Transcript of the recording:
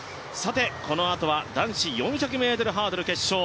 このあとは男子４００ｍハードル決勝。